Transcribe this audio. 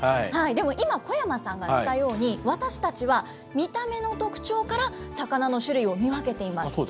でも今、小山さんがしたように、私たちは見た目の特徴から魚の種類を見分けています。